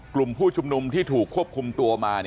กลุ่มผู้ชุมนุมที่ถูกควบคุมตัวมา